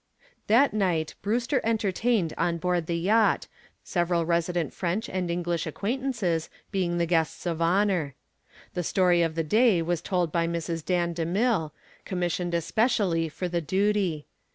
That night Brewster entertained on board the yacht, several resident French and English acquaintances being the guests of honor. The story of the day was told by Mrs. Dan DeMille, commissioned especially for the duty.